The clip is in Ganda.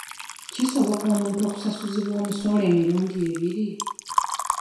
Kisoboka omuntu okusasuzibwa omusolo emirundi ebiri?